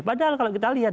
padahal kalau kita lihat